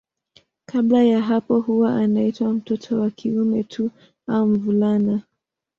Kabla ya hapo huwa anaitwa mtoto wa kiume tu au mvulana.